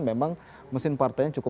memang mesin partanya cukup